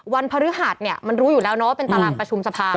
พฤหัสเนี่ยมันรู้อยู่แล้วนะว่าเป็นตารางประชุมสภา